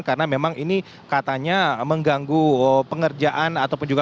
karena memang ini katanya mengganggu pengerjaan ataupun